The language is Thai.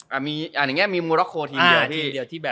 อ่าอย่างนี้มีมูล็อกโคทีมเดียวที่